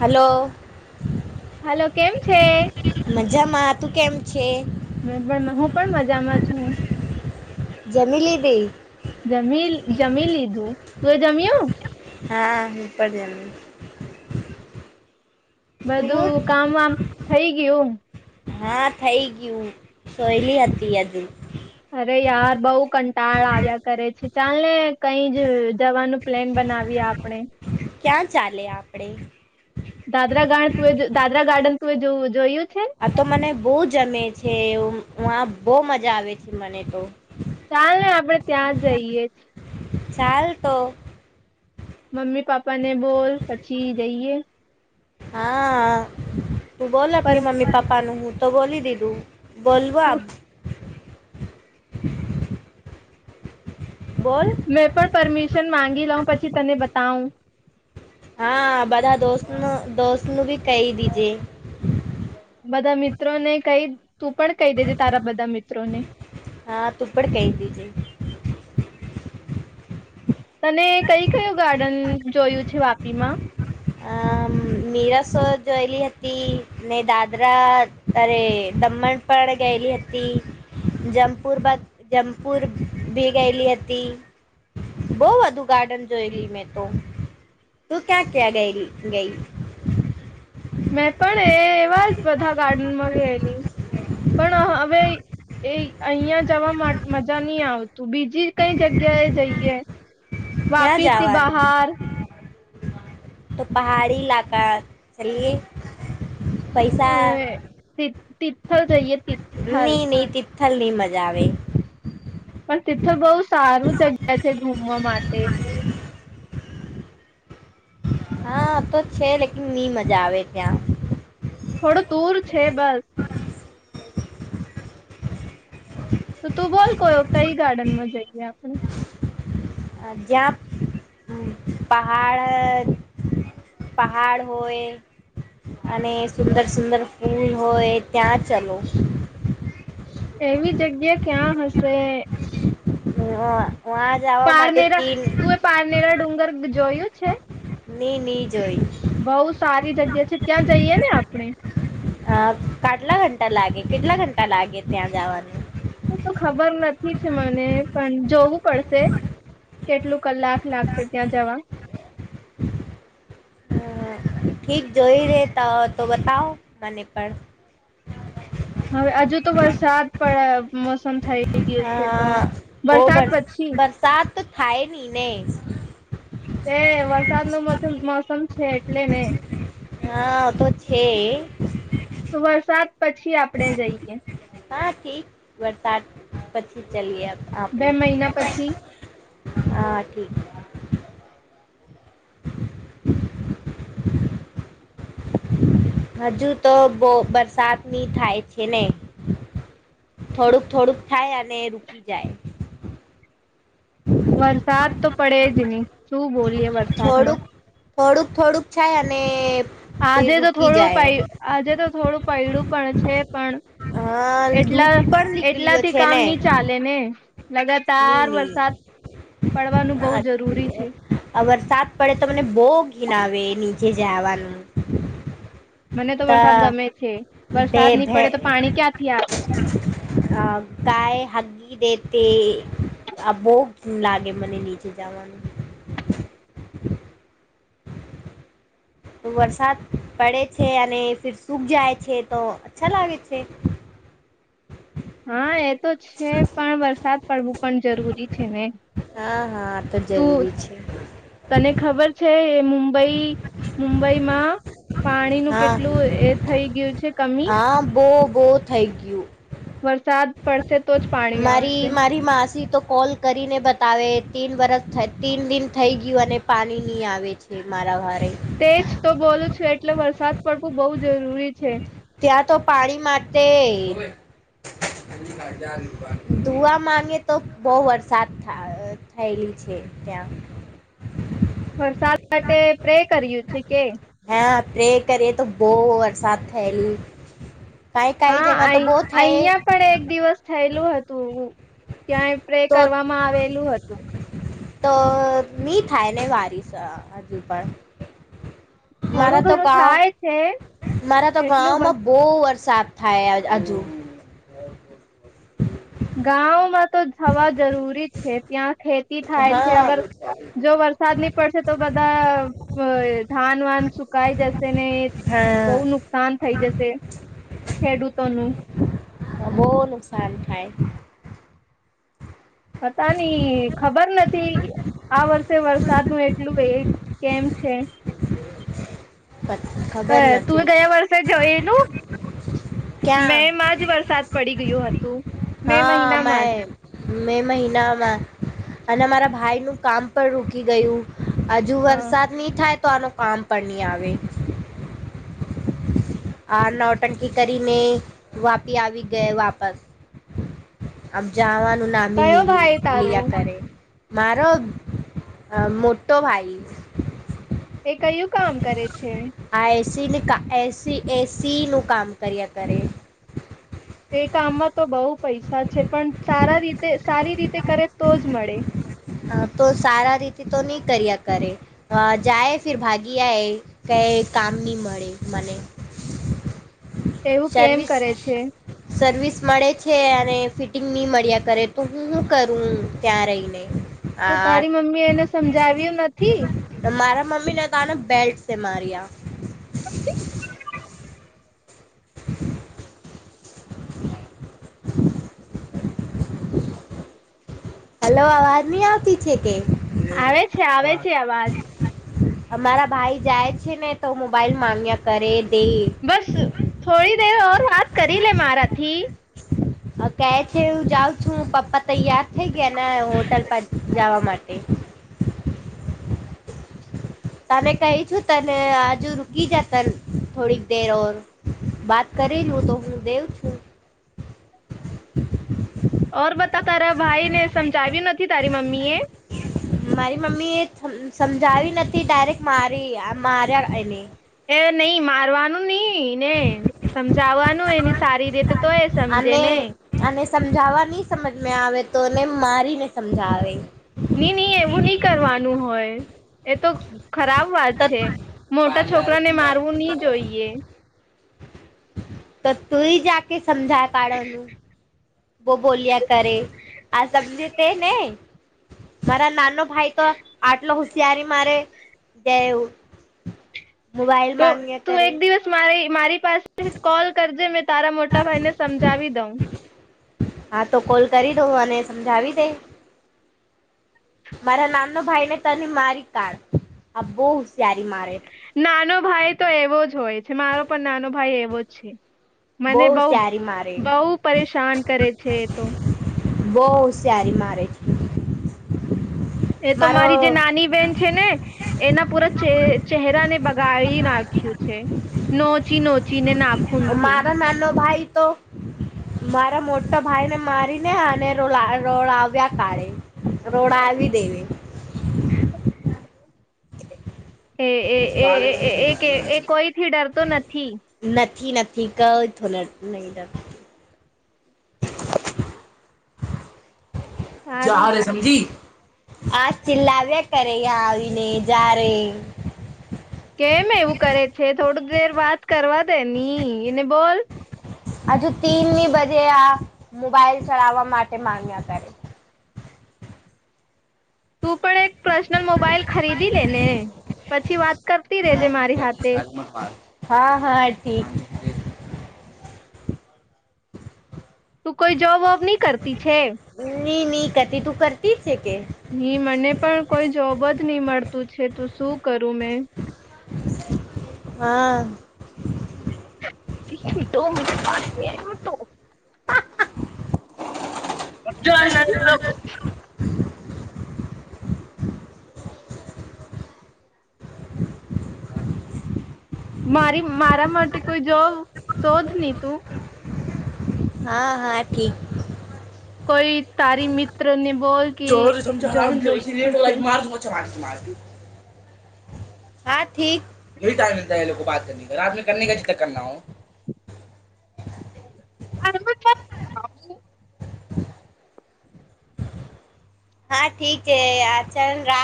હાલો, hello કેમ છે મજામાં તું કેમ છે હું પણ હું પણ મજામાં છું. જમી લીધુ. જમી જમી લીધું. તું એ જમ્યું? હા હું પ જમી. બધું તું કામ વામ થઈ ગયું. હા થઈ ગયું સોહેલી હતી હજુ. અરે યાર બઉ કંટાળ આવ્યા કરે છે ચાલ ને કઈ જ જવાનું પ્લેન બનાવીએ આપણે. ક્યાં ચાલે આપણેે? દાદરા ગાર્ડ તુઅ દાદરા ગાર્ડન તુંએ જોવું જોયું છે આ તો મને બવ જમે છે આ બહુ મજા આવે છે મને તો. ચાલ ને આપડે ત્યાં જઈએ. ચાલ તો. મમ્મી પાપા ને બોલ પછી જઈએ. હા તું બોલ પર આપની મમ્મી પપ્પાનું હું તો બોલી દીધું. બોલવા. તું બોલ મેં પણ પરમિશન માંગી લઉં પછી તને બતાવ. હા બધા દોસ્તનું દોસ્તનું ભી કહી દીજે. બધા મિત્રો ને કઈ તું પણ કહી દેજે તારા બધા મિત્રોને. હા તું પણ કહી દીજે [unintelligible] તને કય કયું ગાર્ડન જોયું છે વાપીમાં આ મીરસો જોયેલી હતી ને દાદરા તરે દમણ પણ ગેલી હતી જમપુર જમપુર ભી ગયેલી હતી બઉ વધુ ગાર્ડન જોયલી મેં તો તું ક્યા ત્યાં ગયલી ગય મેં પણ એ એવા જ બધા ગાર્ડનમાં પણ હવે એ અહં જવા માટે મજા નહી આવતું બીજું ી કઈ જગ્યાએ જઈએ ક્યાં વાપીતી જવાનું બહાર તો પહાડી લાકા ચલીએ પૈસા હ તિથલ જઈએ તિથલ નીની તિથલ ની મજા આવે પણ તથું બહુ સારું જગ્યા છે ઘુમવા માટે હા તો છે લેકન ની મજા આવે ત્યાં થોડું દૂર છે બસ તો તું બોલ કો કઈ ગાર્ડનમાં જઈએ આપણે જ્યાં પહાડ પહાડ હોય અને સુંદર સુંદર ફૂલ હોય ત્યાં ચલો એવી જગ્યા ક્યાં હશે હ [unintelligible] પારનેરા તું એ પારનેરા ડુંગર જોયું છે ની ની જોઈ બહ સારી જગ્યા છે ત્યાં જઈએ ને આપડે અ કાટલા ઘંટા લાગે કેટલા ઘંટા લાગે ત્યાં જવાનું ઠીકે છે મને પણ જોવું પડશે કેટલું કલાક લાગશે ત્યાં જવા હમ ઠીક જોઈ રે તો તો બતાવો મને પણ હવે હજુ તો વરસાદ પડ મોસમ થઈ ગયું છે તો હા બોઉ વરસાદ વરસ પછી વરસાદ તો થાય ની ને એ વરસાદ નો મોસમ મૌસમ છે એટલે ને હા ઓ તો છે તો વરસાદ પછી આપણેે જઈએ હા ઠીક વરસાદ પછી ચલીએ આપડે બે મહિના પછી હા ઠીક [unintelligible] હજુ તો બોઉ બરસાદની થાય છે ને થોડુંક થોડુંક થાય અને રૂકી જાય વરસાદ તો પડે જ નહી શું બોલીએ વરસાદમાં છે અને ફિર આજે તો રૂકી થોડું પ જાય આજે તો થોડું પૈડું પણ છે પણ હા ધૂપ એટલા પણ નીકળ્યો એટલાથી છે કામ ને નઈ ચાલે ને ની લગાતાર વરસાદ ની પડવાનું બહુ જરૂરી છે સાત પડે તો મને બહુ ઘીણ આવે નીચે જવાનું મને તો વરસાદ ગમે છે બે વરસાદ નહી પડે તો પાણી ક્યાંથી આવે અ કાય હગગી દેતે આ બોઉ જ લાગે મને નીચે જવાનું [unintelligible] વરસાદ પડે છે અને ફર સૂક જાય છે તો અચ્છા લાગે છે [inaudible] હા એ તો છે પણ વરસાદ પડવું પણ જરૂરી છે ને હા હા તો તું જરૂરી છે તને ખબર છે મુંબઈ મુંબઈમાં પાણીનું હા કેટલું એ થઈ ગયું છે કમી ઓ થેન્ક યુ વરસાદ પડશે તો જ પાણી મારી આવશે મારી માસી તો કોલ કરીને બતાવે તીન વરષ થ તીન દિન થઈ ગયું અને પાણી નહીં આવે છે મારા ઘરે તેજ તો બોલું છું એટલે વરસાદ પડવું બોઉ જરૂરી છે ત્યાં તો પાણી માટે દુઆ માગે તો બોઉ વરસાદ થઈ થયેલી છે ત્યાં વરસાદ માટે પ્રે કર્યુ છે કે હા પ્રે કરીએ તો બહુ વરસાદ થયેલી કાંઈ કાંઈ હા જગા તો આ બહુ થાય અહંયા પણ એક દિવસ થયેલું હતું એું. ક્યાંય પ્રે તો કરવામાં આવેલું હતું. તો મી થાયને વારીસ અજુ પણ થોડું મારા તો ઘણું ગા થાય છે મારા તો એટલું ગમાં બસ બહ વર્ષ સાફ થાય હજુ. ગાંમાં તો જવા જરૂરી છે ત્યાં ખેતી થાય છે હા અગર જો વરસાદ નહી પડશે તો બધા ધાન વાન સુકાઈ જશે ને બહુ હા નુકસાન થઇ જશે ખેડૂતોનું. બહુ નુકસાન થાય. પતાની ખબર નથી. આ વર્ષે વરસાદનું એટલું કેમ છે. ખબર હ તું નથી ગયા વર્ષે જોયેલું મે ક્યાં માં જ વરસાદ પડી ગયો હતું મે હા અમે મહિનામાં જ. મે મહિનામાં અને મારા ભાઈ નું કામ પણ રોકી ગયું. હજુ હા વરસાદ નહી થાય તો આનું કામ પણ નહી આવે. આ નવટંકી કરીને વાપી આવી ગય વાપસ આમ જવાનું કયો નામીલી ભાઈ લ તારો આ કરે. મારો મોટો ભાઈ. એ કયું કામ કરે છે. સિન કા એસી એસીનું કામ કર્યા કરે એ કામમાં તો બહુ પૈસા છે પણ સારા રીતે સારી રીતે કરે તો જ મળે. હ તો સારા રીતે તો નહી કર્યા કરે જાય ફર ભાગી આ ક કામ નની મળે મને. એવું કેમ સર્વિસ કરે છે. સર્વિસ મળે છે અને ફિટિંગ નહી મળ્યા કરે તો હુંું કરું ત્યાં રહીને તો તારી આ મમ્મી એને સમજાવ્યું નથી. મમ્મી ક ના બેલ્ટ સ માારિયા [inaudible] હલો અવાજ નઈ આવતી છે કે. આવે છે આવે છે અવાજ અમારા ભાઈ જાય છે ને તો મોબાઈલ મામાંગ્યા કરે. દે બસ થોડી દેર વાત કરી લે મારા થી. હ કે છે હું જાઉં છું પપ્પા તૈયાર થઇ ગયા એના હોટલ પર જવા માટે. તમે કહી છું તને આજુ રુકી જ ત થોડીક દેર ઓર વાત કરેલું તો હું દેવ છું. [inaudible] બધા તારા ભાઈ ને સમજાવ્યું નથી તારી મમ્મી એ. મારી મમ્મી એ સમજાવી નથી ડાયરેક્ટ મારી માર્યા [unintelligible] એ નહી મારવાનું. [unintelligible] ને સમજાવવાનું એની સારી રીત તો એ સમજે ને. સમજાવા નહી સમજ આવે તો એને મારીને સમજાવે. નની નહી એવું નહી કરવાનું હોય એ તો ખરાબ વાત તો છે, મોટા છોકરા ને મારવું નહી જોઈએ. તો તુંય જા કે સમજાય પાડવાનું. બો બોલ્યા કરે આ [inaudible] મારા નાનો ભાઈ તો આટલો હોશિયારી મારે જવું તો તું એક દિવસ મારી મારી પાસે કોલ કરજે મે તારા મોટા ભાઈને સમજાવી દઉં. હા તો કોલ કરી દઉં અને સમજાવી દે. મારા નામનો ભાઈ ને તને મારી [unintelligible] આ [unintelligible] નાનો ભાઈ તો એવો જ હોય છે, મારો પણ નાનો ભાઈ એવો જ છે. બહુ મને બહ હોશિયારી મારે બહુ પરેશાન કરે છે, એ તો બહ [unintelligible] સારી મારે છે. એ તો મારો મારી જે નાની બેહેન છે, ને એના પૂરા ચહેરાને. ગાળી નાખ્યું છે, નોચી નોચી. મારા નાનો ભાઈ. તો મારા મોટા ભાઈ ને મારીને [unintelligible] રોડ [unintelligible] [unintelligible] આવી [unintelligible] [inaudible] એ એ એ એ કોઈ થી ડરતો નથી. [inaudible] [inaudible] [inaudible] [inaudible] સારું જ આવીને જ્યારે કેમ એવું કરે છે, થોડ દેર વાત કરવા દે ની એને બોલ. હજુ તીનની બજે આ મોબાઈલ ચલાવવા માટે માંગ્યા કરે છે. તું પણ એક પર્સનલ મોબાઈલ ખરીદી લે ને પછી વાત કર. [unintelligible] મારી હાથે. હા હા ઠીક. તું કોઈ જોબ વોબ નહી કરતી છે. ની ની કરતી તું કરતી છે કે હ મને પણ કોઈ જોબ જ. ની મળતું છે, [unintelligible] શું કરું મેં. હા. [inaudible] [inaudible] મારી મારા માટે કોઈ જો શોધ [unintelligible] તું. હા હા ઠીક. કોઈ તારી મિત્ર ને. બોલ કે જોબ જોઈતું છે. [inaudible] હા ઠીક [inaudible] [inaudible] [inaudible] હા ઠીક છે, [unintelligible]